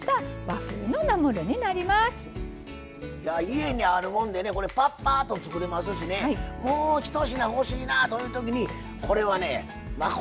家にあるもんでねこれパッパと作れますしねもう一品欲しいなという時にこれはね誠にありがたいと思いますよ